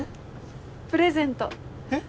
プレゼントえっ？